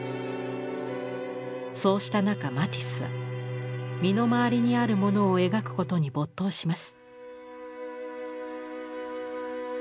そうした中マティスは身の回りにあるものを描くことに没頭します。